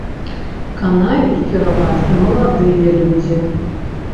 Канаюць пераважна маладыя людзі.